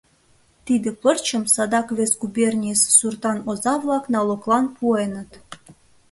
Тиде пырчым садак вес губернийысе суртан оза-влак налоглан пуэныт.